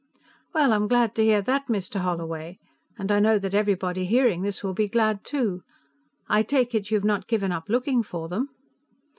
"Well, I'm glad to hear that, Mr. Holloway, and I know that everybody hearing this will be glad, too. I take it you've not given up looking for them?"